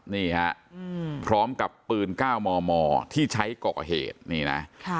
นี่ฮะพร้อมกับปืน๙มมที่ใช้ก่อเหตุนี่นะ